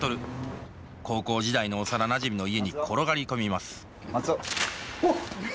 高校時代の幼なじみの家に転がり込みますうわっ！